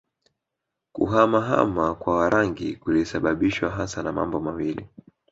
Kuhama hama kwa Warangi kulisababishwa hasa na mambo mawili